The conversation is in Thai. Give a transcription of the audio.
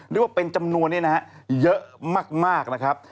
เรียกว่าเป็นจำนวนนี้นะฮะเยอะมากนะครับ